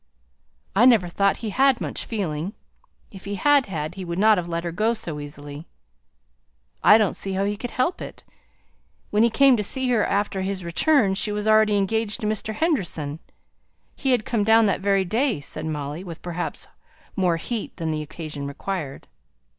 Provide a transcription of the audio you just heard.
"I never thought he had much feeling. If he had had, he would not have let her go so easily." "I don't see how he could help it. When he came to see her after his return, she was already engaged to Mr. Henderson he had come down that very day," said Molly, with perhaps more heat than the occasion required.